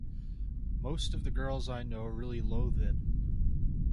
Most of the girls I know really loathe it.